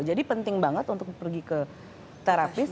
jadi penting banget untuk pergi ke terapis